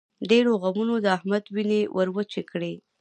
ډېرو غمونو د احمد وينې ور وچې کړې.